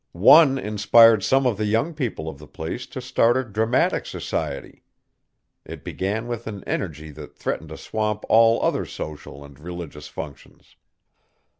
One inspired some of the young people of the place to start a dramatic society. It began with an energy that threatened to swamp all other social and religious functions.